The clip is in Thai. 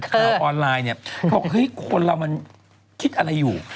ข่าวออนไลน์เขาบอกว่าคนเรามันคิดอะไรอยู่